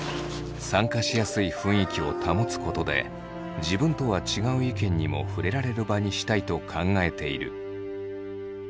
参加しやすい雰囲気を保つことで自分とは違う意見にもふれられる場にしたいと考えている。